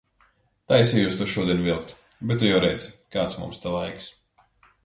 Taisījos to šodien vilkt, bet tu jau redzi, kāds mums te laiks.